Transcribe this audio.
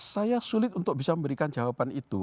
saya sulit untuk bisa memberikan jawaban itu